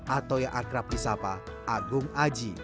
atau yang akrab di sapa agung aji